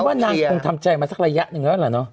ว่านางคงทำใจมาสักระยะหนึ่งแล้วล่ะเนาะ